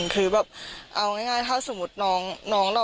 คือแบบเอาง่ายถ้าสมมุติน้องเรา